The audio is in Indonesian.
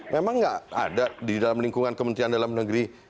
memang nggak ada di dalam lingkungan kementerian dalam negeri